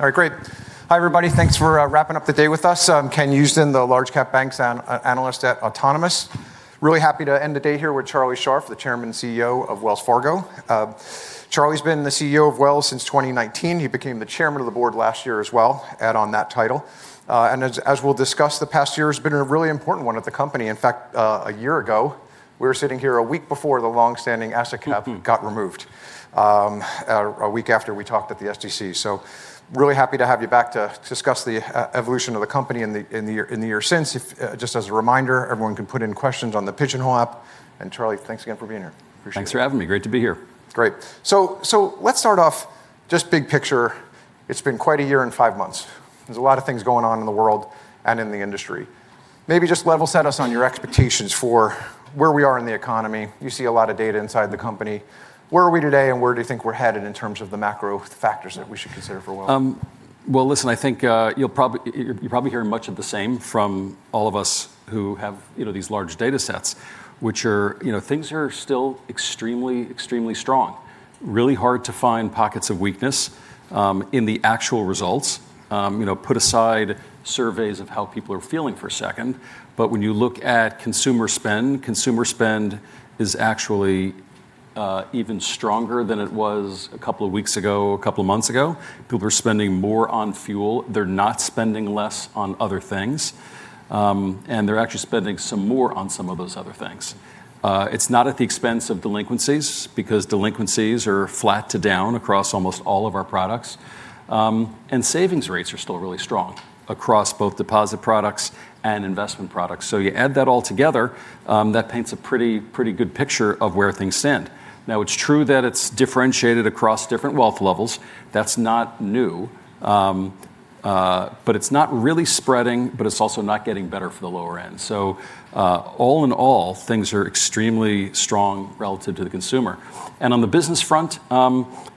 Hi everybody. Thanks for wrapping up the day with us. I'm Ken Usdin, the Large-Cap Banks Analyst at Autonomous. Really happy to end the day here with Charlie Scharf, the Chairman and CEO of Wells Fargo. Charlie's been the CEO of Wells since 2019. He became the Chairman of the Board last year as well, add on that title. As we'll discuss, the past year has been a really important one at the company. In fact, a year ago, we were sitting here a week before the longstanding asset cap got removed, a week after we talked at the SDC. Really happy to have you back to discuss the evolution of the company in the year since. Just as a reminder, everyone can put in questions on the Pigeonhole app. Charlie, thanks again for being here. Appreciate it. Thanks for having me. Great to be here. Great. Let's start off just big picture. It's been quite a year and five months. There's a lot of things going on in the world and in the industry. Maybe just level set us on your expectations for where we are in the economy. You see a lot of data inside the company. Where are we today, and where do you think we're headed in terms of the macro factors that we should consider for Wells? Well, I think you're probably hearing much of the same from all of us who have these large data sets, which are, things are still extremely strong. Really hard to find pockets of weakness, in the actual results. Put aside surveys of how people are feeling for a second, but when you look at consumer spend, consumer spend is actually even stronger than it was a couple of weeks ago, a couple of months ago. People are spending more on fuel. They're not spending less on other things. They're actually spending some more on some of those other things. It's not at the expense of delinquencies, because delinquencies are flat to down across almost all of our products. Savings rates are still really strong across both deposit products and investment products. You add that all together, that paints a pretty good picture of where things stand. Now, it's true that it's differentiated across different wealth levels. That's not new. It's not really spreading, but it's also not getting better for the lower end. All in all, things are extremely strong relative to the consumer. On the business front,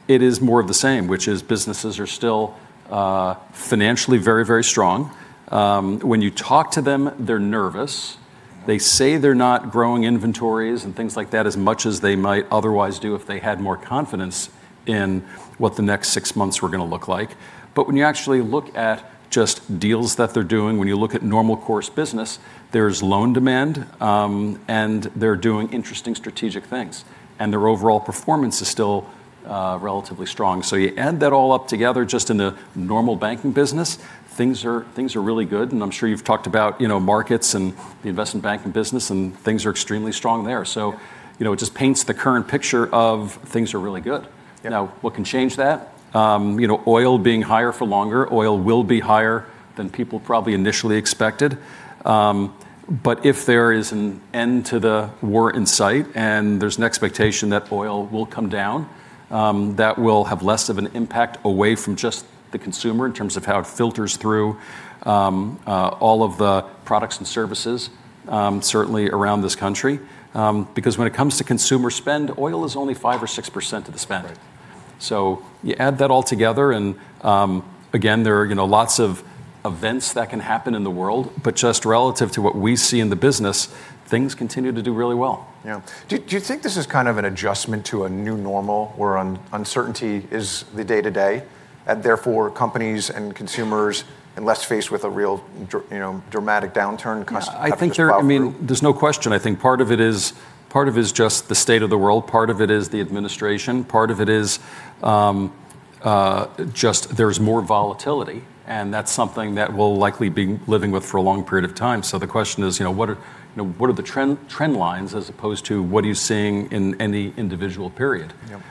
it is more of the same, which is businesses are still financially very, very strong. When you talk to them, they're nervous. They say they're not growing inventories and things like that as much as they might otherwise do if they had more confidence in what the next six months were going to look like. When you actually look at just deals that they're doing, when you look at normal course business, there's loan demand, and they're doing interesting strategic things, and their overall performance is still relatively strong. You add that all up together just in the normal banking business, things are really good, and I'm sure you've talked about markets and the investment banking business, and things are extremely strong there. It just paints the current picture of things are really good. What can change that? Oil being higher for longer, oil will be higher than people probably initially expected. If there is an end to the war in sight, and there's an expectation that oil will come down, that will have less of an impact away from just the consumer in terms of how it filters through all of the products and services, certainly around this country. When it comes to consumer spend, oil is only 5% or 6% of the spend. You add that all together and, again, there are lots of events that can happen in the world, but just relative to what we see in the business, things continue to do really well. Do you think this is kind of an adjustment to a new normal, where uncertainty is the day-to-day, and therefore companies and consumers, unless faced with a real dramatic downturn, customers have to plow through? I mean, there's no question. I think part of it is just the state of the world. Part of it is the administration. Part of it is, just there's more volatility, and that's something that we'll likely be living with for a long period of time. The question is, what are the trend lines as opposed to what are you seeing in any individual period? Yep.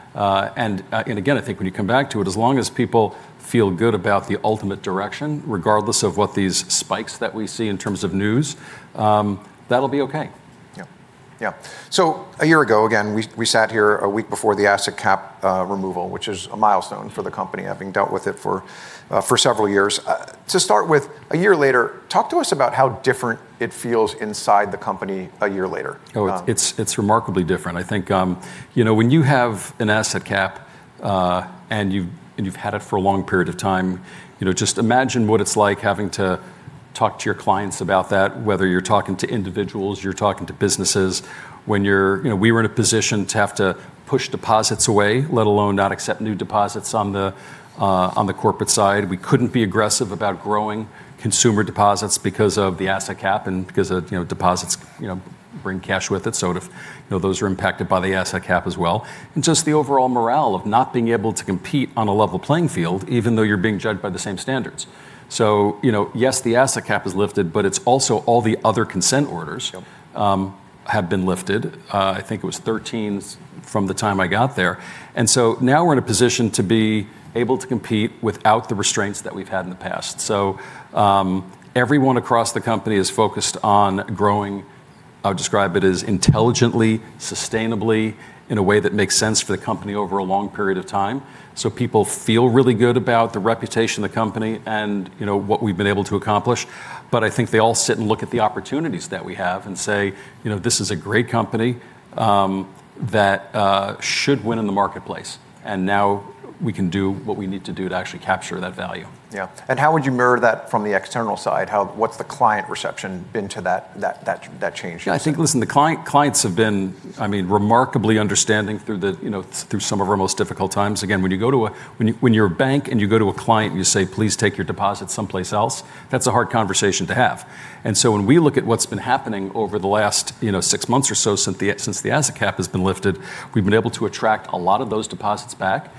Again, I think when you come back to it, as long as people feel good about the ultimate direction, regardless of what these spikes that we see in terms of news, that'll be okay. A year ago, again, we sat here a week before the asset cap removal, which is a milestone for the company, having dealt with it for several years. To start with, a year later, talk to us about how different it feels inside the company a year later? It's remarkably different. I think, when you have an asset cap, and you've had it for a long period of time, just imagine what it's like having to talk to your clients about that, whether you're talking to individuals, you're talking to businesses. When we were in a position to have to push deposits away, let alone not accept new deposits on the corporate side. We couldn't be aggressive about growing consumer deposits because of the asset cap and because deposits bring cash with it. Those are impacted by the asset cap as well, and just the overall morale of not being able to compete on a level playing field, even though you're being judged by the same standards. Yes, the asset cap is lifted, but it's also all the other consent orders have been lifted. I think it was 13 from the time I got there. Now we're in a position to be able to compete without the restraints that we've had in the past. Everyone across the company is focused on growing, I'll describe it as intelligently, sustainably, in a way that makes sense for the company over a long period of time. People feel really good about the reputation of the company and what we've been able to accomplish. I think they all sit and look at the opportunities that we have and say, "This is a great company that should win in the marketplace, and now we can do what we need to do to actually capture that value. How would you mirror that from the external side? What's the client reception been to that change? I think, the clients have been remarkably understanding through some of our most difficult times. When you're a bank and you go to a client and you say, "Please take your deposits someplace else," that's a hard conversation to have. When we look at what's been happening over the last six months or so since the asset cap has been lifted, we've been able to attract a lot of those deposits back,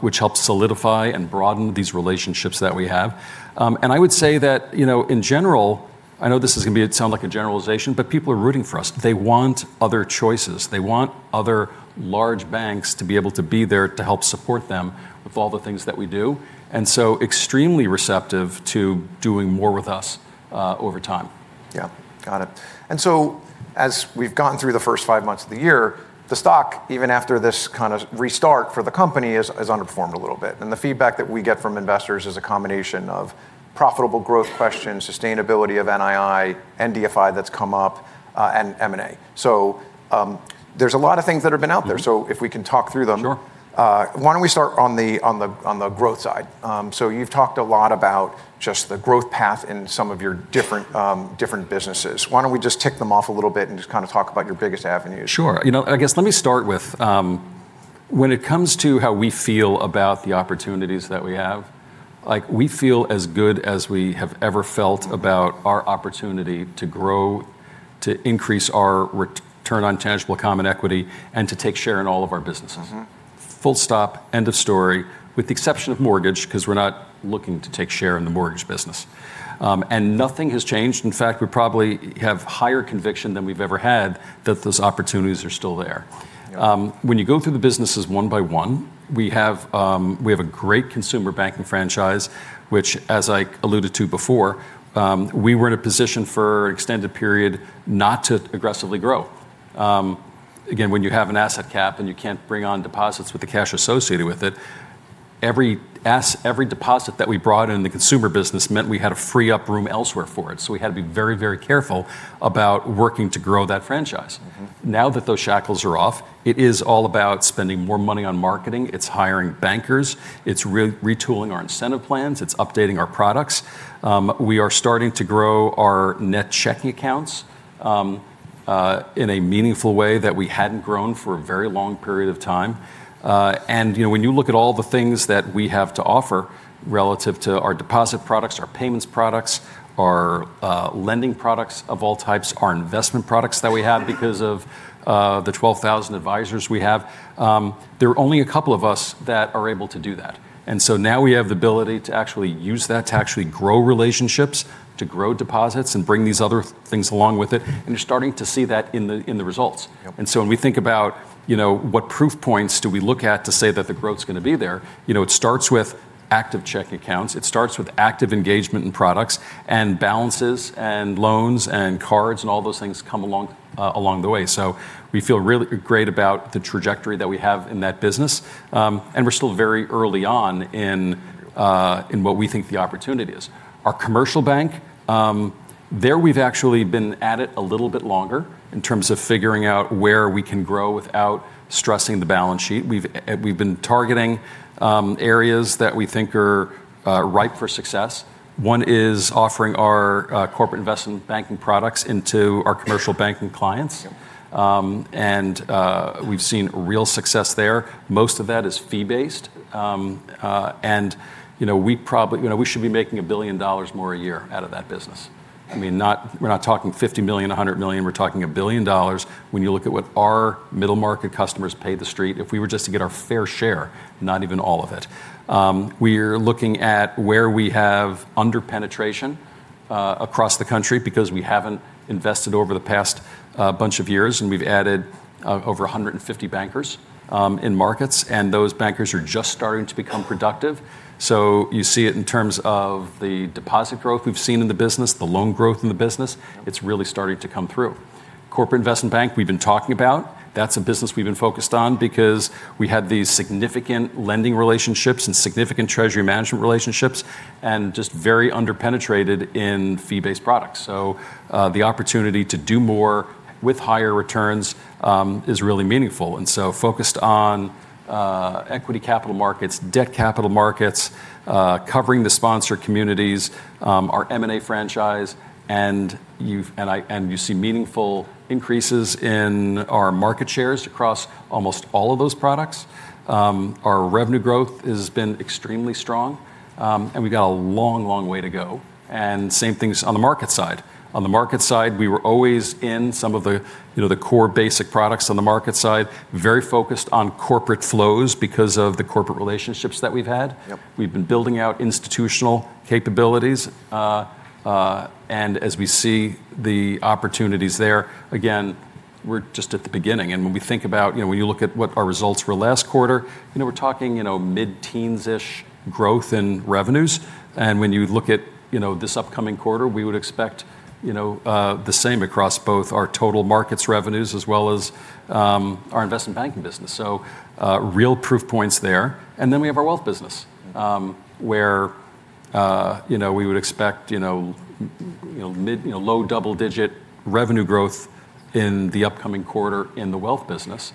which helps solidify and broaden these relationships that we have. I would say that, in general, I know this is going to sound like a generalization, but people are rooting for us. They want other choices. They want other large banks to be able to be there to help support them with all the things that we do. Extremely receptive to doing more with us over time. Yeah. Got it. As we've gone through the first five months of the year, the stock, even after this kind of restart for the company, has underperformed a little bit. The feedback that we get from investors is a combination of profitable growth questions, sustainability of NII, and DFI that's come up, and M&A. There's a lot of things that have been out there. If we can talk through them. Why don't we start on the growth side? You've talked a lot about just the growth path in some of your different businesses. Why don't we just tick them off a little bit and just talk about your biggest avenues? Sure. I guess let me start with, when it comes to how we feel about the opportunities that we have, we feel as good as we have ever felt about our opportunity to grow, to increase our return on tangible common equity, and to take share in all of our businesses. Full stop, end of story, with the exception of mortgage, because we're not looking to take share in the mortgage business. Nothing has changed. In fact, we probably have higher conviction than we've ever had that those opportunities are still there. When you go through the businesses one by one, we have a great consumer banking franchise, which, as I alluded to before, we were in a position for an extended period not to aggressively grow. When you have an asset cap and you can't bring on deposits with the cash associated with it, every deposit that we brought in the consumer business meant we had to free up room elsewhere for it. We had to be very careful about working to grow that franchise. Now that those shackles are off, it is all about spending more money on marketing. It's hiring bankers. It's retooling our incentive plans. It's updating our products. We are starting to grow our net checking accounts, in a meaningful way that we hadn't grown for a very long period of time. When you look at all the things that we have to offer relative to our deposit products, our payments products, our lending products of all types, our investment products that we have because of the 12,000 advisors we have, there are only a couple of us that are able to do that. Now we have the ability to actually use that to actually grow relationships, to grow deposits, and bring these other things along with it, and you're starting to see that in the results. When we think about what proof points do we look at to say that the growth's going to be there, it starts with active checking accounts. It starts with active engagement in products, and balances, and loans, and cards, and all those things come along the way. We feel really great about the trajectory that we have in that business. We're still very early on in what we think the opportunity is. Our Commercial Bank, there we've actually been at it a little bit longer in terms of figuring out where we can grow without stressing the balance sheet. We've been targeting areas that we think are ripe for success. One is offering our Corporate & Investment Banking products into our Commercial Banking clients. We've seen real success there. Most of that is fee based. We should be making $1 billion more a year out of that business. We're not talking $50 million, $100 million, we're talking $1 billion when you look at what our middle market customers pay the street, if we were just to get our fair share, not even all of it. We're looking at where we have under-penetration across the country because we haven't invested over the past bunch of years, and we've added over 150 bankers in markets, and those bankers are just starting to become productive. You see it in terms of the deposit growth we've seen in the business, the loan growth in the business. It's really starting to come through. Corporate & Investment Banking we've been talking about. That's a business we've been focused on because we had these significant lending relationships and significant treasury management relationships, and just very under-penetrated in fee-based products. The opportunity to do more with higher returns is really meaningful, and so focused on equity capital markets, debt capital markets, covering the sponsor communities, our M&A franchise, and you see meaningful increases in our market shares across almost all of those products. Our revenue growth has been extremely strong. We got a long way to go. Same things on the market side. On the market side, we were always in some of the core basic products on the market side. Very focused on corporate flows because of the corporate relationships that we've had. We've been building out institutional capabilities. As we see the opportunities there, again, we're just at the beginning, and when you look at what our results were last quarter, we're talking mid-teens-ish growth in revenues. When you look at this upcoming quarter, we would expect the same across both our total markets revenues as well as our investment banking business. Real proof points there. We have our wealth business. We would expect low double-digit revenue growth in the upcoming quarter in the wealth business,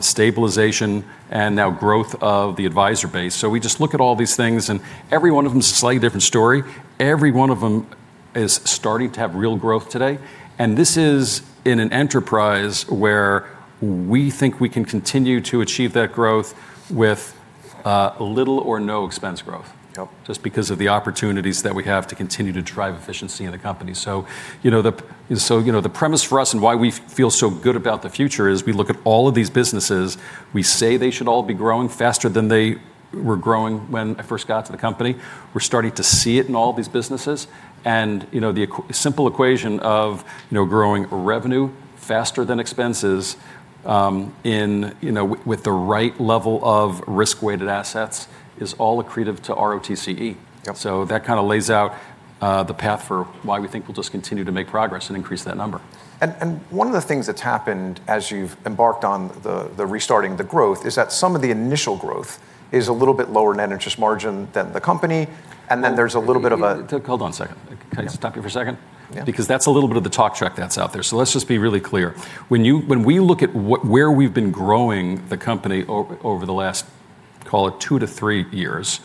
stabilization and now growth of the advisor base. We just look at all these things, and every one of them is a slightly different story. Every one of them is starting to have real growth today. This is in an enterprise where we think we can continue to achieve that growth with little or no expense growth. Just because of the opportunities that we have to continue to drive efficiency in a company. The premise for us and why we feel so good about the future is we look at all of these businesses, we say they should all be growing faster than they were growing when I first got to the company. We're starting to see it in all of these businesses. The simple equation of growing revenue faster than expenses, with the right level of risk-weighted assets, is all accretive to ROTCE. That kind of lays out the path for why we think we'll just continue to make progress and increase that number. One of the things that's happened as you've embarked on the restarting the growth is that some of the initial growth is a little bit lower net interest margin than the company, and then there's a little bit of. Can I just stop you for a second? Yeah. Because that's a little bit of the talk track that's out there. Let's just be really clear. When we look at where we've been growing the company over the last, call it two to three years,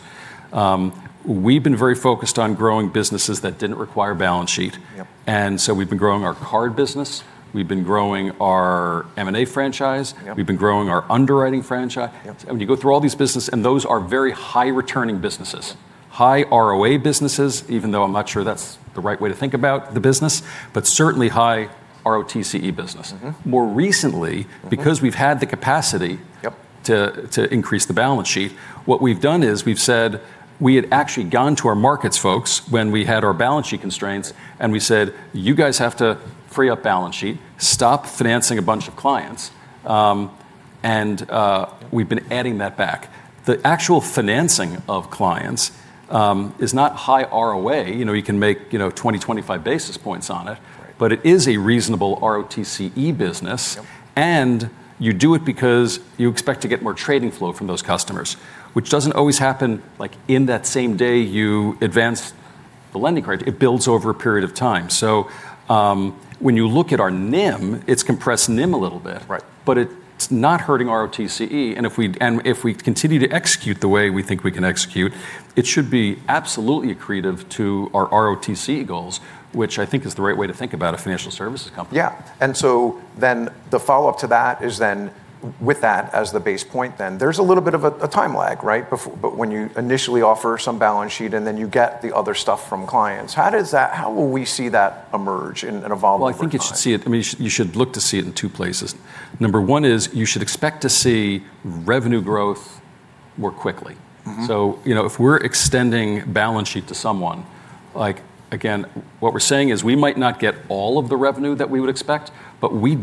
we've been very focused on growing businesses that didn't require balance sheet. We've been growing our card business. We've been growing our M&A franchise. We've been growing our underwriting franchise. You go through all these businesses, and those are very high-returning businesses. High ROA businesses, even though I'm not sure that's the right way to think about the business, but certainly high ROTCE business. More recently, because we've had the capacity to increase the balance sheet, what we've done is we've said we had actually gone to our markets folks when we had our balance sheet constraints, and we said, "You guys have to free up balance sheet, stop financing a bunch of clients." We've been adding that back. The actual financing of clients is not high ROA. You can make 20, 25 basis points on it. It is a reasonable ROTCE business. You do it because you expect to get more trading flow from those customers, which doesn't always happen, like in that same day you advance the lending credit, it builds over a period of time. When you look at our NIM, it's compressed NIM a little bit. It's not hurting ROTCE. If we continue to execute the way we think we can execute, it should be absolutely accretive to our ROTCE goals, which I think is the right way to think about a financial services company. The follow-up to that is then with that as the base point, then there's a little bit of a time lag, right, when you initially offer some balance sheet and then you get the other stuff from clients. How will we see that emerge and evolve over time? Well, I think you should look to see it in two places. Number one is you should expect to see revenue growth more quickly. If we're extending balance sheet to someone, again, what we're saying is we might not get all of the revenue that we would expect, but when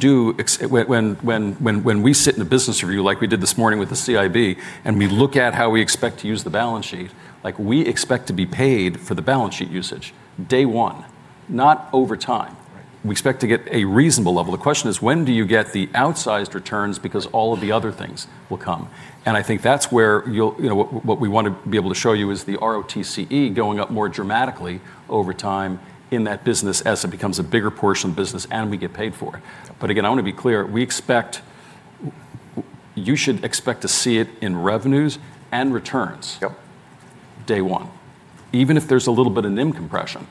we sit in a business review like we did this morning with the CIB, and we look at how we expect to use the balance sheet, like we expect to be paid for the balance sheet usage day one, not over time. We expect to get a reasonable level. The question is when do you get the outsized returns because all of the other things will come, and I think that's where what we want to be able to show you is the ROTCE going up more dramatically over time in that business as it becomes a bigger portion of the business and we get paid for it. Again, I want to be clear, you should expect to see it in revenues and returns day one, even if there's a little bit of NIM compression.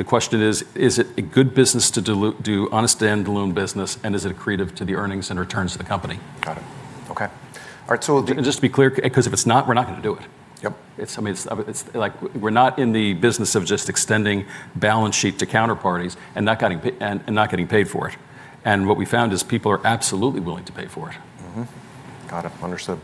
The question is it a good business to do on a stand-alone business, and is it accretive to the earnings and returns to the company? Got it. Okay. All right. Just to be clear, because if it's not, we're not going to do it. We're not in the business of just extending balance sheet to counterparties and not getting paid for it. What we found is people are absolutely willing to pay for it. Got it. Understood.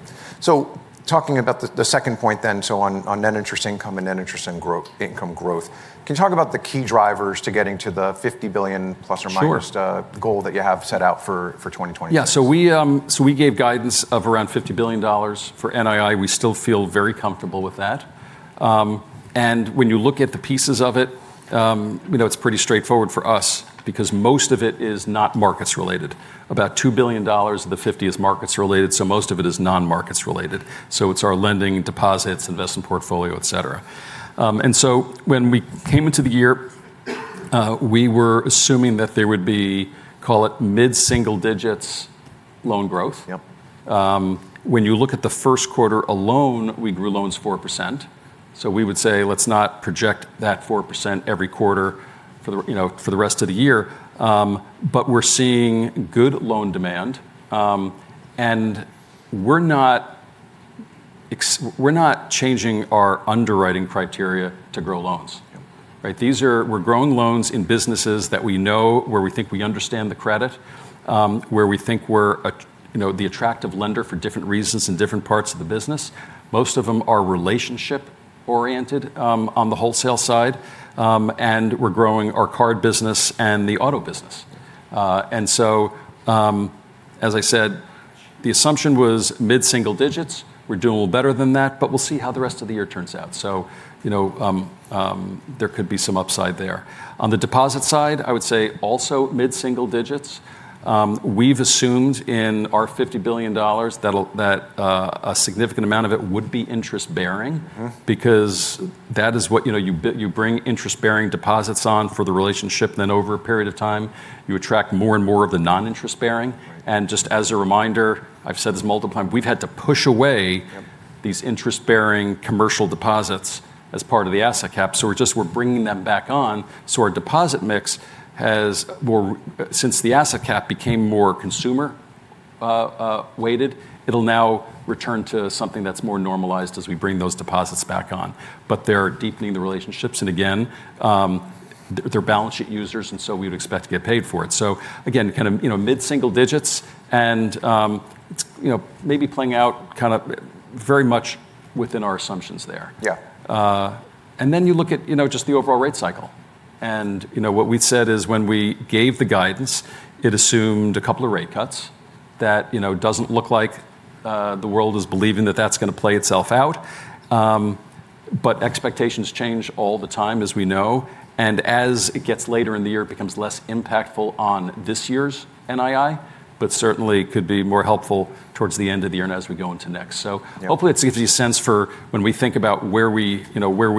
Talking about the second point then, on net interest income and net interest income growth, can you talk about the key drivers to getting to the $50 billion± goal that you have set out for 2023? We gave guidance of around $50 billion for NII. We still feel very comfortable with that. When you look at the pieces of it's pretty straightforward for us because most of it is not markets related. About $2 billion of the $50 billion is markets related, so most of it is non-markets related. It's our lending deposits, investment portfolio, et cetera. When we came into the year, we were assuming that there would be, call it mid-single digits loan growth. When you look at the first quarter alone, we grew loans 4%. We would say let's not project that 4% every quarter for the rest of the year. We're seeing good loan demand. We're not changing our underwriting criteria to grow loans. We're growing loans in businesses that we know where we think we understand the credit, where we think we're the attractive lender for different reasons in different parts of the business. Most of them are relationship oriented, on the wholesale side. We're growing our card business and the auto business. As I said, the assumption was mid-single digits. We're doing a little better than that, but we'll see how the rest of the year turns out. There could be some upside there. On the deposit side, I would say also mid-single digits. We've assumed in our $50 billion that a significant amount of it would be interest-bearing, because that is what you bring interest-bearing deposits on for the relationship, then over a period of time, you attract more and more of the non-interest-bearing. Just as a reminder, I've said this multiple times, we've had to push away, these interest-bearing commercial deposits as part of the asset cap, so we're bringing them back on. Our deposit mix, since the asset cap became more consumer weighted, it'll now return to something that's more normalized as we bring those deposits back on. They're deepening the relationships, and again, they're balance sheet users, we would expect to get paid for it. Again, mid-single digits, and maybe playing out very much within our assumptions there. You look at just the overall rate cycle. What we'd said is when we gave the guidance, it assumed a couple of rate cuts. That doesn't look like the world is believing that that's going to play itself out, but expectations change all the time, as we know. As it gets later in the year, it becomes less impactful on this year's NII, but certainly could be more helpful towards the end of the year and as we go into next. Hopefully, it gives you a sense for when we think about where we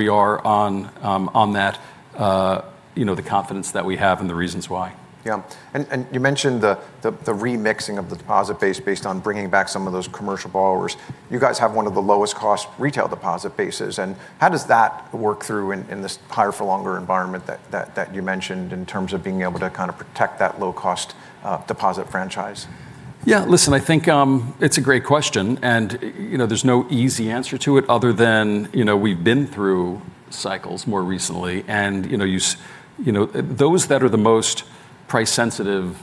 are on that, the confidence that we have and the reasons why. You mentioned the remixing of the deposit base based on bringing back some of those commercial borrowers. You guys have one of the lowest cost retail deposit bases, and how does that work through in this higher for longer environment that you mentioned in terms of being able to protect that low-cost deposit franchise? I think it's a great question, and there's no easy answer to it other than we've been through cycles more recently, and those that are the most price sensitive,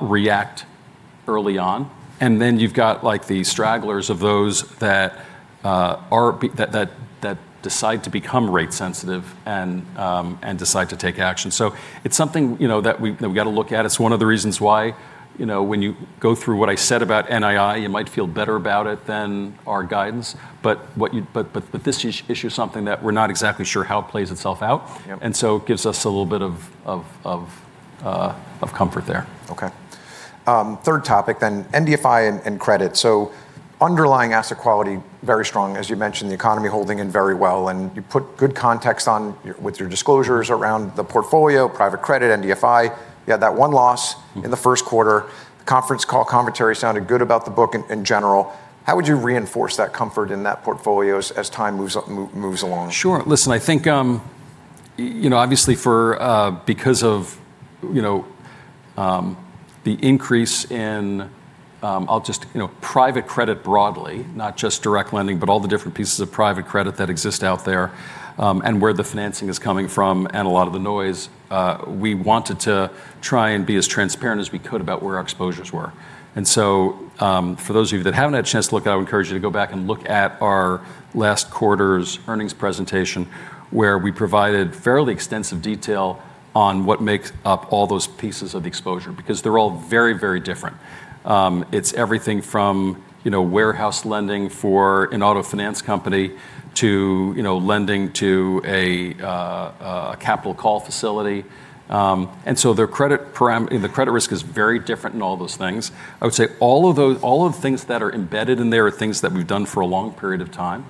react early on, and then you've got the stragglers of those that decide to become rate sensitive and decide to take action. It's something that we've got to look at. It's one of the reasons why when you go through what I said about NII, you might feel better about it than our guidance. This issue is something that we're not exactly sure how it plays itself out. It gives us a little bit of comfort there. Okay. Third topic, MDFI and credit. Underlying asset quality, very strong. As you mentioned, the economy holding in very well, and you put good context on with your disclosures around the portfolio, private credit, MDFI. You had that one loss in the first quarter. The conference call commentary sounded good about the book in general. How would you reinforce that comfort in that portfolio as time moves along? Sure. I think, obviously because of the increase in private credit broadly, not just direct lending, but all the different pieces of private credit that exist out there, and where the financing is coming from, and a lot of the noise, we wanted to try and be as transparent as we could about where our exposures were. For those of you that haven't had a chance to look, I would encourage you to go back and look at our last quarter's earnings presentation where we provided fairly extensive detail on what makes up all those pieces of exposure, because they're all very different. It's everything from warehouse lending for an auto finance company to lending to a capital call facility. The credit risk is very different in all those things. I would say all of the things that are embedded in there are things that we've done for a long period of time.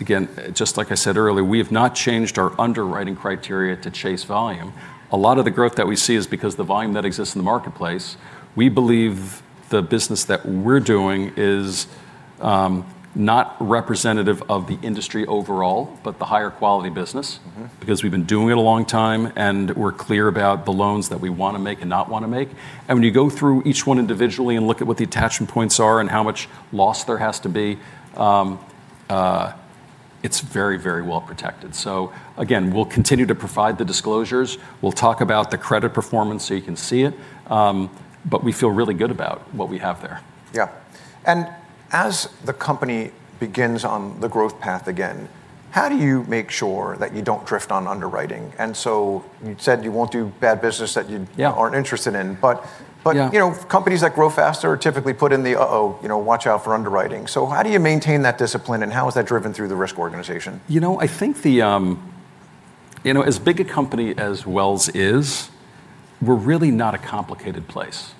Again, just like I said earlier, we have not changed our underwriting criteria to chase volume. A lot of the growth that we see is because the volume that exists in the marketplace. We believe the business that we're doing is not representative of the industry overall, but the higher quality business. Because we've been doing it a long time, and we're clear about the loans that we want to make and not want to make, and when you go through each one individually and look at what the attachment points are and how much loss there has to be, it's very well-protected. Again, we'll continue to provide the disclosures. We'll talk about the credit performance so you can see it. We feel really good about what we have there. As the company begins on the growth path again, how do you make sure that you don't drift on underwriting? You said you won't do bad business that you aren't interested in. Companies that grow faster are typically put in the uh-oh, watch out for underwriting. How do you maintain that discipline, and how is that driven through the risk organization? I think as big a company as Wells is, we're really not a complicated place,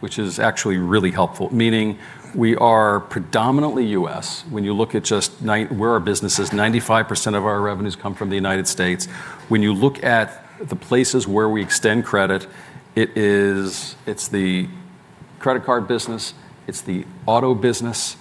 which is actually really helpful. Meaning we are predominantly U.S. When you look at just where our business is, 95% of our revenues come from the United States. When you look at the places where we extend credit, it's the credit card business, it's the auto business,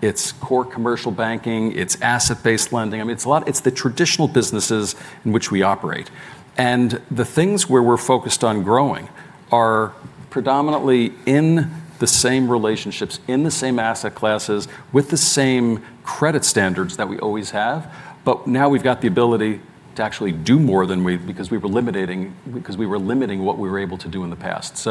it's core commercial banking, it's asset-based lending. It's the traditional businesses in which we operate. The things where we're focused on growing are predominantly in the same relationships, in the same asset classes, with the same credit standards that we always have. Now we've got the ability to actually do more because we were limiting what we were able to do in the past.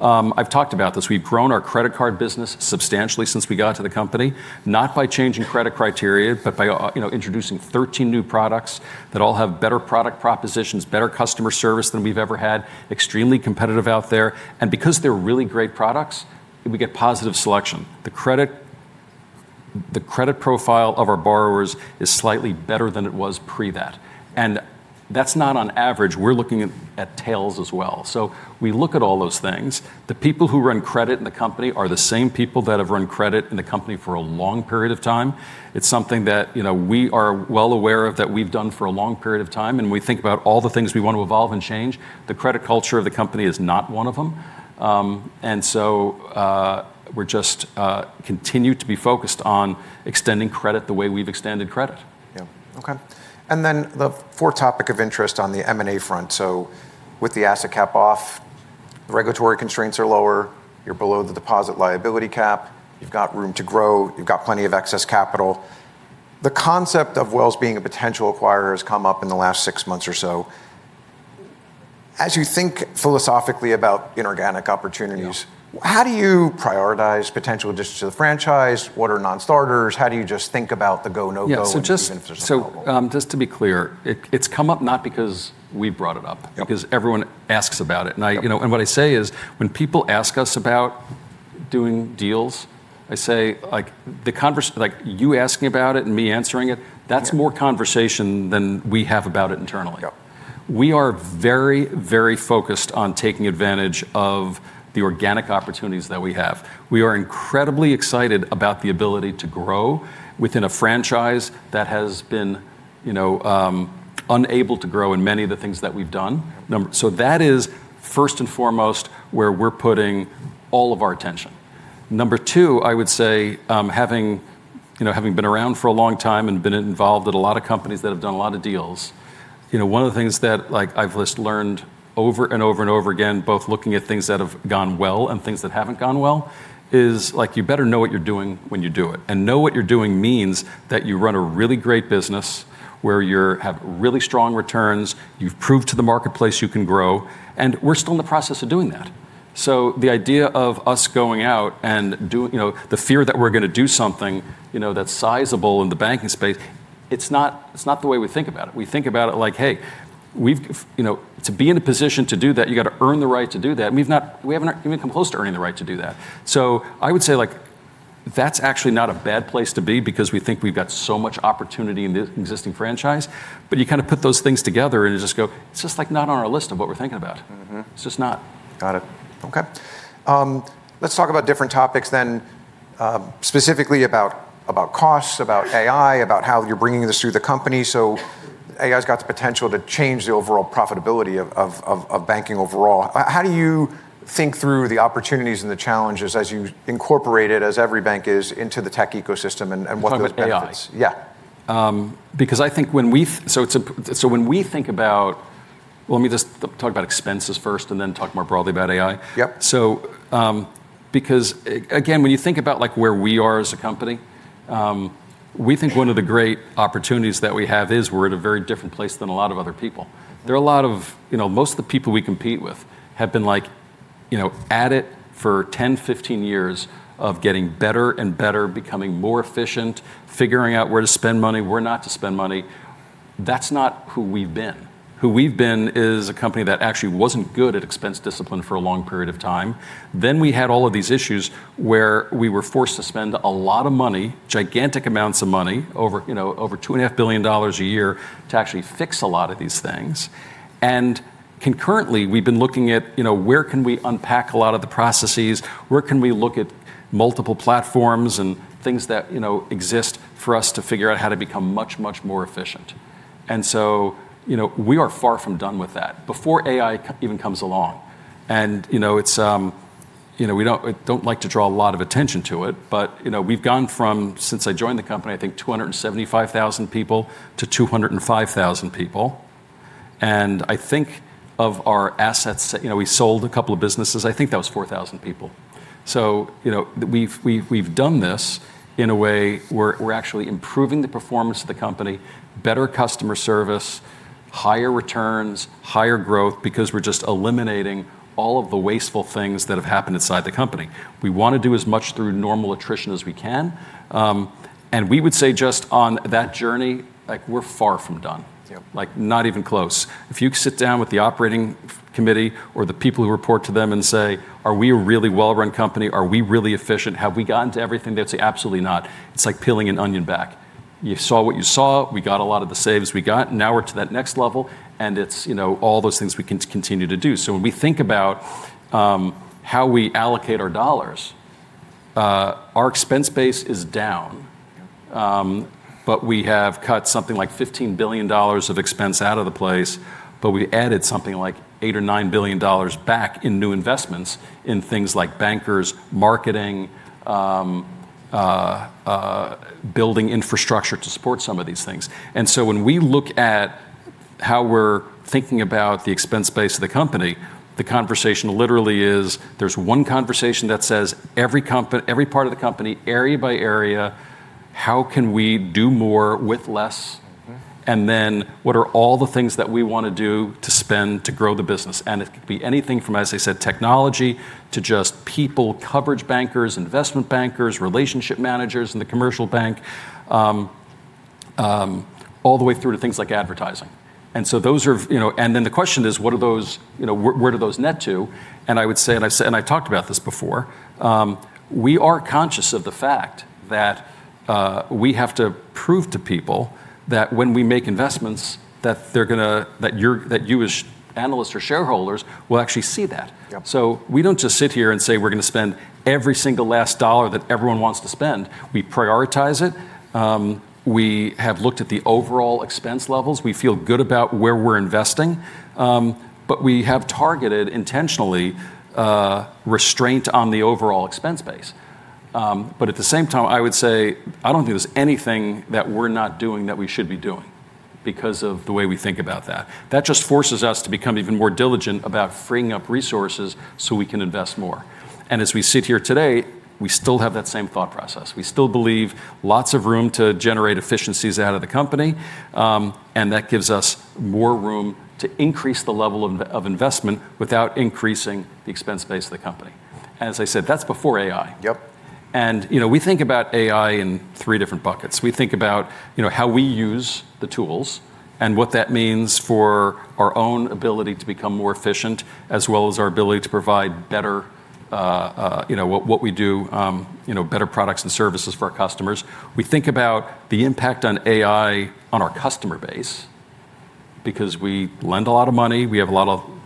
I've talked about this. We've grown our credit card business substantially since we got to the company, not by changing credit criteria, but by introducing 13 new products that all have better product propositions, better customer service than we've ever had, extremely competitive out there. Because they're really great products, we get positive selection. The credit profile of our borrowers is slightly better than it was pre that. That's not on average, we're looking at tails as well. We look at all those things. The people who run credit in the company are the same people that have run credit in the company for a long period of time. It's something that we are well aware of, that we've done for a long period of time, and we think about all the things we want to evolve and change. The credit culture of the company is not one of them. We just continue to be focused on extending credit the way we've extended credit. Okay. The fourth topic of interest on the M&A front. With the asset cap off, the regulatory constraints are lower, you're below the deposit liability cap, you've got room to grow, you've got plenty of excess capital. The concept of Wells being a potential acquirer has come up in the last six months or so. As you think philosophically about inorganic opportunities. How do you prioritize potential additions to the franchise? What are non-starters? How do you just think about the go, no-go even if there's an available? Just to be clear, it's come up not because we've brought it up because everyone asks about it. What I say is, when people ask us about doing deals, I say, like you asking about it and me answering it, that's more conversation than we have about it internally. We are very, very focused on taking advantage of the organic opportunities that we have. We are incredibly excited about the ability to grow within a franchise that has been unable to grow in many of the things that we've done. That is first and foremost, where we're putting all of our attention. Number two, I would say, having been around for a long time and been involved at a lot of companies that have done a lot of deals, one of the things that I've just learned over and over and over again, both looking at things that have gone well and things that haven't gone well, is you better know what you're doing when you do it. Know what you're doing means that you run a really great business where you have really strong returns, you've proved to the marketplace you can grow, and we're still in the process of doing that. The idea of us going out, the fear that we're going to do something that's sizable in the banking space, it's not the way we think about it. We think about it like, hey, to be in a position to do that, you got to earn the right to do that, and we haven't even come close to earning the right to do that. I would say that's actually not a bad place to be because we think we've got so much opportunity in the existing franchise. You kind of put those things together and you just go, it's just not on our list of what we're thinking about. It's just not. Got it. Okay. Let's talk about different topics then, specifically about costs, about AI, about how you're bringing this through the company. AI's got the potential to change the overall profitability of banking overall. How do you think through the opportunities and the challenges as you incorporate it, as every bank is, into the tech ecosystem and what those benefits? You're talking about AI? Yeah. When we think about Well, let me just talk about expenses first and then talk more broadly about AI. Yep. Because again, when you think about where we are as a company, we think one of the great opportunities that we have is we're at a very different place than a lot of other people. Most of the people we compete with have been at it for 10, 15 years of getting better and better, becoming more efficient, figuring out where to spend money, where not to spend money. That's not who we've been. Who we've been is a company that actually wasn't good at expense discipline for a long period of time. We had all of these issues where we were forced to spend a lot of money, gigantic amounts of money, over $2.5 billion a year, to actually fix a lot of these things. Concurrently, we've been looking at where can we unpack a lot of the processes, where can we look at multiple platforms and things that exist for us to figure out how to become much, much more efficient. We are far from done with that. Before AI even comes along, and we don't like to draw a lot of attention to it, but we've gone from, since I joined the company, I think 275,000 people to 205,000 people. I think of our assets, we sold a couple of businesses, I think that was 4,000 people. We've done this in a way where we're actually improving the performance of the company, better customer service, higher returns, higher growth because we're just eliminating all of the wasteful things that have happened inside the company. We want to do as much through normal attrition as we can, and we would say just on that journey, we're far from done. Not even close. If you sit down with the operating committee or the people who report to them and say, "Are we a really well-run company? Are we really efficient? Have we gotten to everything?" They'd say, "Absolutely not." It's like peeling an onion back. You saw what you saw. We got a lot of the saves we got. Now we're to that next level and it's all those things we can continue to do. When we think about how we allocate our dollars, our expense base is down. We have cut something like $15 billion of expense out of the place, but we added something like $8 billion or $9 billion back in new investments in things like bankers, marketing, building infrastructure to support some of these things. When we look at how we're thinking about the expense base of the company. The conversation literally is, there's one conversation that says every part of the company, area by area, how can we do more with less? What are all the things that we want to do to spend to grow the business? It could be anything from, as I said, technology to just people, coverage bankers, investment bankers, relationship managers in the commercial bank, all the way through to things like advertising. The question is: where do those net to? I would say, and I talked about this before, we are conscious of the fact that we have to prove to people that when we make investments that you as analysts or shareholders will actually see that. We don't just sit here and say we're going to spend every single last dollar that everyone wants to spend. We prioritize it. We have looked at the overall expense levels. We feel good about where we're investing. We have targeted intentionally, restraint on the overall expense base. At the same time, I would say, I don't think there's anything that we're not doing that we should be doing because of the way we think about that. That just forces us to become even more diligent about freeing up resources so we can invest more. As we sit here today, we still have that same thought process. We still believe lots of room to generate efficiencies out of the company. That gives us more room to increase the level of investment without increasing the expense base of the company. As I said, that's before AI. We think about AI in three different buckets. We think about how we use the tools and what that means for our own ability to become more efficient, as well as our ability to provide better products and services for our customers. We think about the impact on AI on our customer base because we lend a lot of money,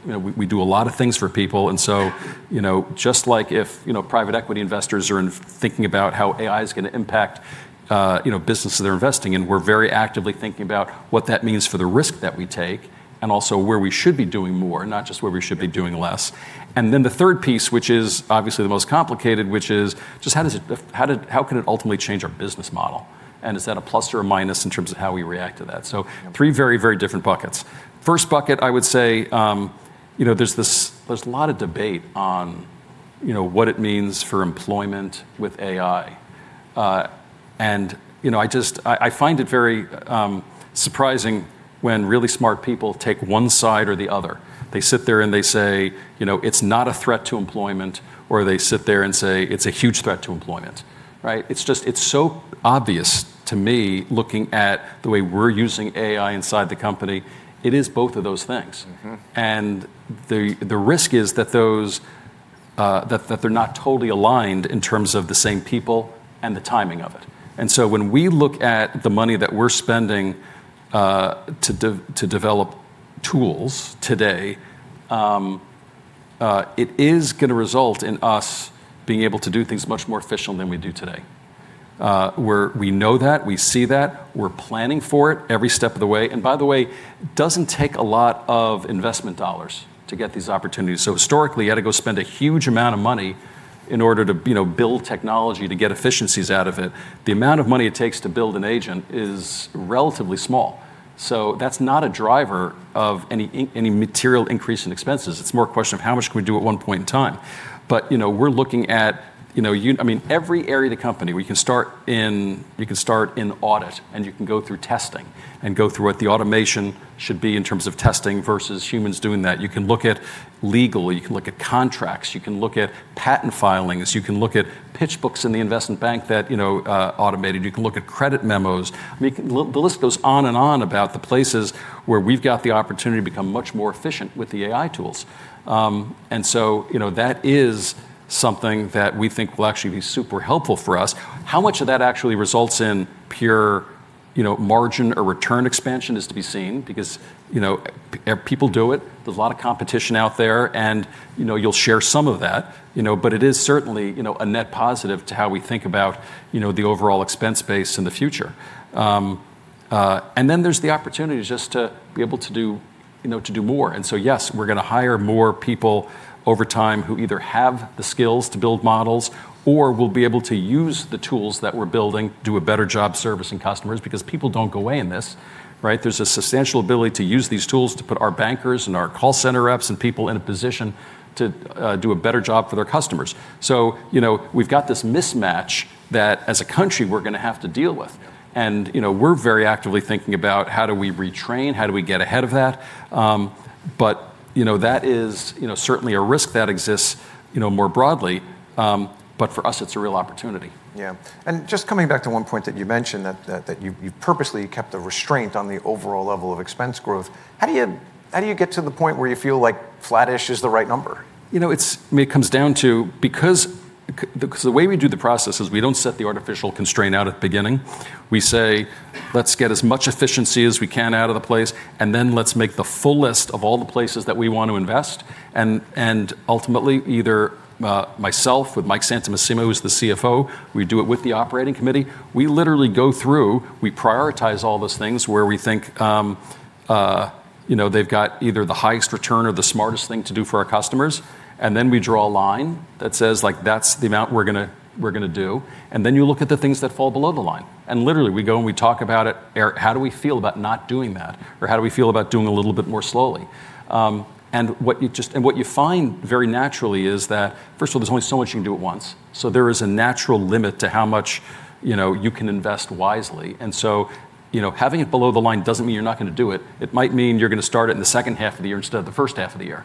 we do a lot of things for people and so, just like if private equity investors are thinking about how AI is going to impact businesses they're investing in, we're very actively thinking about what that means for the risk that we take and also where we should be doing more, not just where we should be doing less. Then the third piece, which is obviously the most complicated, which is just how can it ultimately change our business model? Is that a plus or a minus in terms of how we react to that? Three very, very different buckets. First bucket, I would say, there's a lot of debate on what it means for employment with AI. I find it very surprising when really smart people take one side or the other. They sit there and they say, "It's not a threat to employment," or they sit there and say, "It's a huge threat to employment." Right? It's so obvious to me, looking at the way we're using AI inside the company, it is both of those things. The risk is that they're not totally aligned in terms of the same people and the timing of it. When we look at the money that we're spending to develop tools today, it is going to result in us being able to do things much more efficient than we do today. We know that, we see that, we're planning for it every step of the way. By the way, it doesn't take a lot of investment dollars to get these opportunities. Historically, you had to go spend a huge amount of money in order to build technology to get efficiencies out of it. The amount of money it takes to build an agent is relatively small. That's not a driver of any material increase in expenses. It's more a question of how much can we do at one point in time. We're looking at every area of the company, we can start in audit and you can go through testing and go through what the automation should be in terms of testing versus humans doing that. You can look at legal, you can look at contracts, you can look at patent filings, you can look at pitch books in the investment bank that automated. You can look at credit memos. I mean, the list goes on and on about the places where we've got the opportunity to become much more efficient with the AI tools. That is something that we think will actually be super helpful for us. How much of that actually results in pure margin or return expansion is to be seen because people do it. There's a lot of competition out there and you'll share some of that, but it is certainly a net positive to how we think about the overall expense base in the future. Then there's the opportunity just to be able to do more. Yes, we're going to hire more people over time who either have the skills to build models or will be able to use the tools that we're building to do a better job servicing customers because people don't go away in this, right? There's a substantial ability to use these tools to put our bankers and our call center reps and people in a position to do a better job for their customers. We've got this mismatch that as a country, we're going to have to deal with. We're very actively thinking about how do we retrain, how do we get ahead of that? That is certainly a risk that exists more broadly. For us, it's a real opportunity. Yeah. Just coming back to one point that you mentioned, that you've purposely kept a restraint on the overall level of expense growth. How do you get to the point where you feel like flat-ish is the right number? It comes down to because the way we do the process is we don't set the artificial constraint out at the beginning. We say, "Let's get as much efficiency as we can out of the place, and then let's make the full list of all the places that we want to invest." Ultimately, either myself with Mike Santomassimo, who's the CFO, we do it with the operating committee. We literally go through, we prioritize all those things where we think they've got either the highest return or the smartest thing to do for our customers. Then we draw a line that says, "That's the amount we're going to do." Then you look at the things that fall below the line. Literally, we go and we talk about it, how do we feel about not doing that? How do we feel about doing a little bit more slowly? What you find very naturally is that first of all, there's only so much you can do at once. There is a natural limit to how much you can invest wisely. Having it below the line doesn't mean you're not going to do it. It might mean you're going to start it in the second half of the year instead of the first half of the year.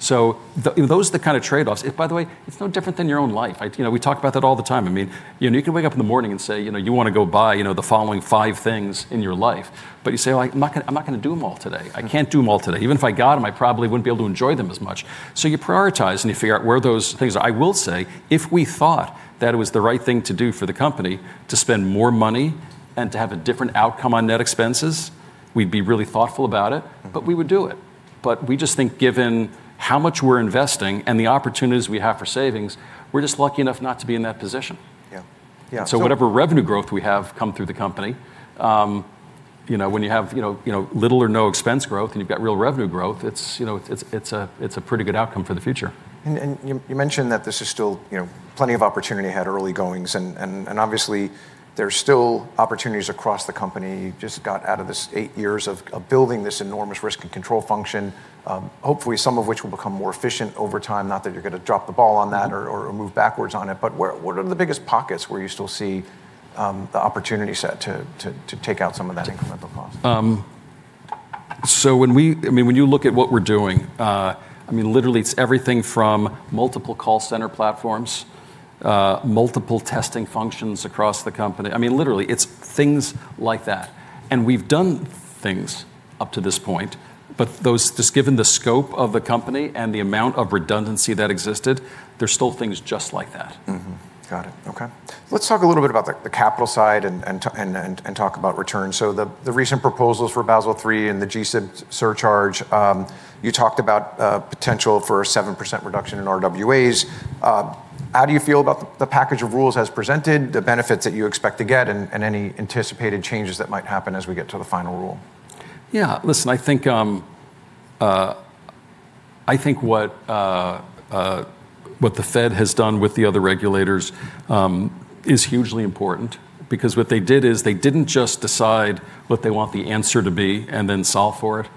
Those are the kind of trade-offs. By the way, it's no different than your own life. We talk about that all the time. You can wake up in the morning and say you want to go buy the following five things in your life. You say, "I'm not going to do them all today. I can't do them all today. Even if I got them, I probably wouldn't be able to enjoy them as much. You prioritize and you figure out where those things are. I will say, if we thought that it was the right thing to do for the company to spend more money and to have a different outcome on net expenses, we'd be really thoughtful about it, but we would do it. We just think, given how much we're investing and the opportunities we have for savings, we're just lucky enough not to be in that position. Whatever revenue growth we have come through the company, when you have little or no expense growth and you've got real revenue growth, it's a pretty good outcome for the future. You mentioned that this is still plenty of opportunity ahead, early goings, and obviously, there's still opportunities across the company. You just got out of this eight years of building this enormous risk and control function, hopefully some of which will become more efficient over time. Not that you're going to drop the ball on that or move backwards on it, but what are the biggest pockets where you still see the opportunity set to take out some of that incremental cost? When you look at what we're doing, literally it's everything from multiple call center platforms, multiple testing functions across the company. Literally, it's things like that. We've done things up to this point, but just given the scope of the company and the amount of redundancy that existed, there's still things just like that. Got it. Okay. Let's talk a little bit about the capital side and talk about returns. The recent proposals for Basel III and the GSIB surcharge, you talked about potential for a 7% reduction in RWAs. How do you feel about the package of rules as presented, the benefits that you expect to get, and any anticipated changes that might happen as we get to the final rule? I think what the Fed has done with the other regulators is hugely important because what they did is they didn't just decide what they want the answer to be and then solve for it.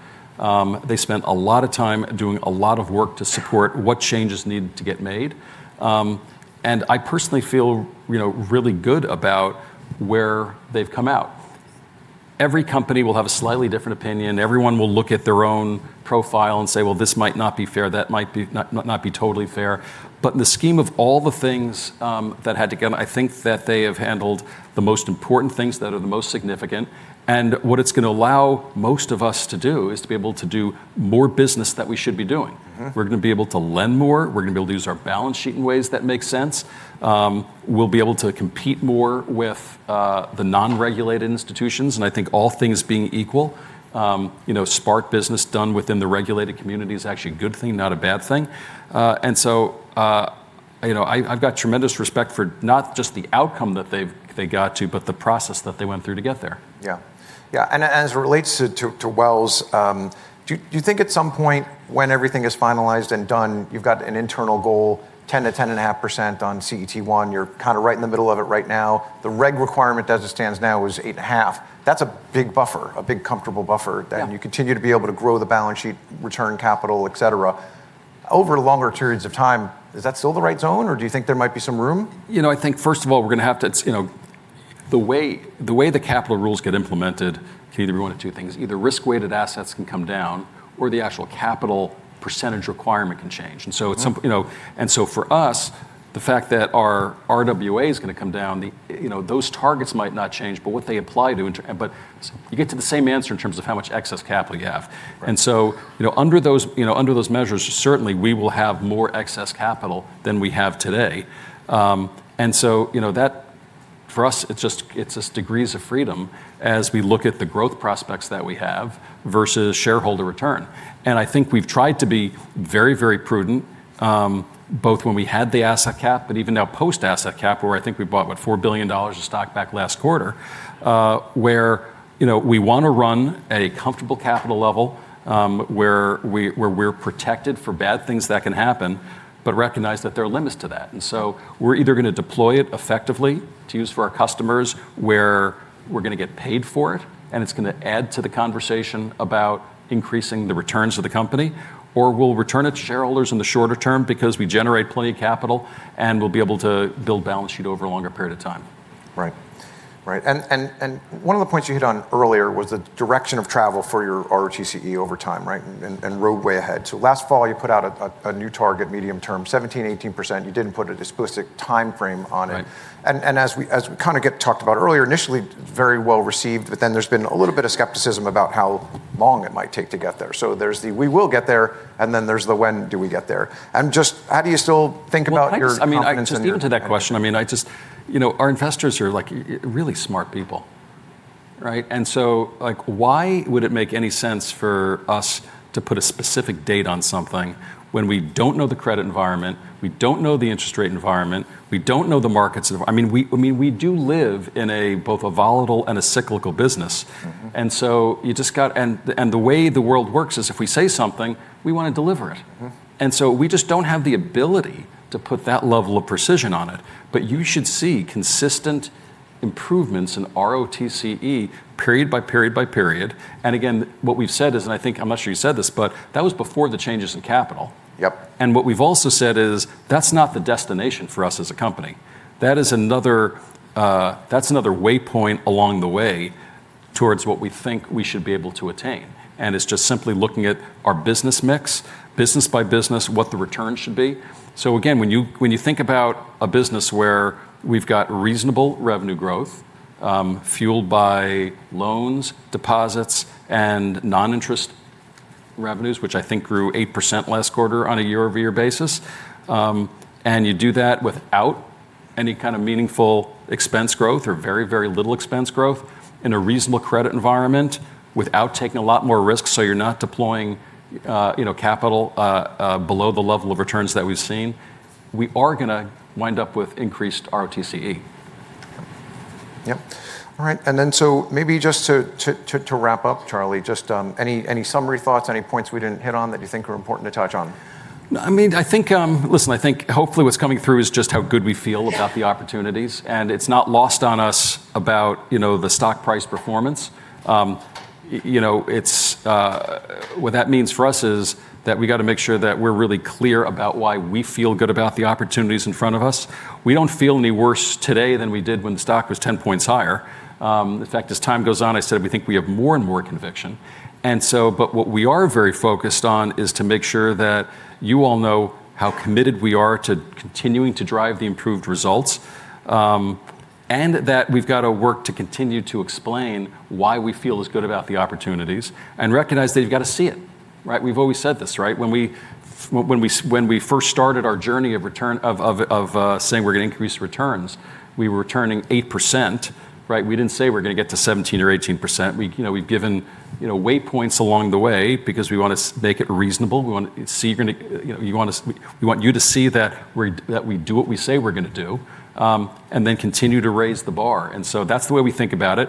They spent a lot of time doing a lot of work to support what changes needed to get made. I personally feel really good about where they've come out. Every company will have a slightly different opinion. Everyone will look at their own profile and say, "Well, this might not be fair. That might not be totally fair." In the scheme of all the things that had to come, I think that they have handled the most important things that are the most significant. What it's going to allow most of us to do is to be able to do more business that we should be doing. We're going to be able to lend more. We're going to be able to use our balance sheet in ways that make sense. We'll be able to compete more with the non-regulated institutions. I think all things being equal, that business done within the regulated community is actually a good thing, not a bad thing. I've got tremendous respect for not just the outcome that they got to, but the process that they went through to get there. As it relates to Wells, do you think at some point when everything is finalized and done, you've got an internal goal, 10%-10.5% on CET1, you're right in the middle of it right now. The reg requirement as it stands now is 8.5. That's a big buffer, a big comfortable buffer. You continue to be able to grow the balance sheet, return capital, et cetera. Over longer periods of time, is that still the right zone, or do you think there might be some room? I think, first of all, the way the capital rules get implemented, it's either one of two things. Either Risk-Weighted Assets can come down, or the actual capital percentage requirement can change. For us, the fact that our RWA is going to come down, those targets might not change, but what they apply to. You get to the same answer in terms of how much excess capital you have. Under those measures, certainly we will have more excess capital than we have today. For us, it's just degrees of freedom as we look at the growth prospects that we have versus shareholder return. I think we've tried to be very, very prudent, both when we had the asset cap, but even now post asset cap, where I think we bought, what, $4 billion of stock back last quarter, where we want to run a comfortable capital level, where we're protected for bad things that can happen, but recognize that there are limits to that. We're either going to deploy it effectively to use for our customers, where we're going to get paid for it, and it's going to add to the conversation about increasing the returns of the company, or we'll return it to shareholders in the shorter term because we generate plenty of capital, and we'll be able to build balance sheet over a longer period of time. One of the points you hit on earlier was the direction of travel for your ROTCE over time, right? With ROA way ahead. Last fall, you put out a new target, medium term, 17%-18%. You didn't put an explicit time frame on it. As we get talked about earlier, initially very well-received, but then there's been a little bit of skepticism about how long it might take to get there. There's the, "We will get there," and then there's the, "When do we get there?" Just how do you still think about your confidence in that? Even to that question, our investors are really smart people, right? Why would it make any sense for us to put a specific date on something when we don't know the credit environment, we don't know the interest rate environment, we don't know the markets. We do live in both a volatile and a cyclical business. The way the world works is, if we say something, we want to deliver it. We just don't have the ability to put that level of precision on it. You should see consistent improvements in ROTCE, period by period by period. Again, what we've said is, and I think, I'm not sure you said this, but that was before the changes in capital. What we've also said is that's not the destination for us as a company. That's another waypoint along the way towards what we think we should be able to attain. It's just simply looking at our business mix, business by business, what the return should be. Again, when you think about a business where we've got reasonable revenue growth, fueled by loans, deposits, and non-interest revenues, which I think grew 8% last quarter on a year-over-year basis. You do that without any kind of meaningful expense growth or very, very little expense growth in a reasonable credit environment without taking a lot more risk, so you're not deploying capital below the level of returns that we've seen. We are going to wind up with increased ROTCE. All right, maybe just to wrap up, Charlie, just any summary thoughts, any points we didn't hit on that you think are important to touch on? I think hopefully what's coming through is just how good we feel about the opportunities, and it's not lost on us about the stock price performance. What that means for us is that we've got to make sure that we're really clear about why we feel good about the opportunities in front of us. We don't feel any worse today than we did when the stock was 10 points higher. In fact, as time goes on, I said we think we have more and more conviction. What we are very focused on is to make sure that you all know how committed we are to continuing to drive the improved results, and that we've got to work to continue to explain why we feel as good about the opportunities and recognize that you've got to see it, right? We've always said this, right? When we first started our journey of saying we're going to increase returns, we were returning 8%, right? We didn't say we're going to get to 17 or 18%. We've given way points along the way because we want to make it reasonable. We want you to see that we do what we say we're going to do, and then continue to raise the bar. That's the way we think about it.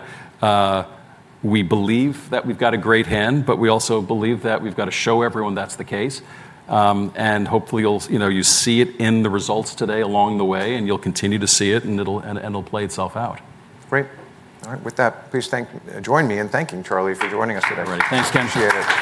We believe that we've got a great hand, but we also believe that we've got to show everyone that's the case. Hopefully you see it in the results today along the way, and you'll continue to see it, and it'll play itself out. Great. All right. With that, please join me in thanking Charlie for joining us today. Great. Thanks, Ken. Appreciate it.